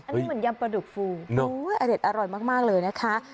อันนี้เหมือนยำปลาดุกฟูอเด็ดอร่อยมากเลยนะคะ